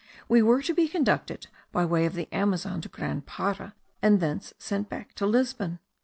We were to be conducted by way of the Amazon to Grand Para, and thence sent back to Lisbon.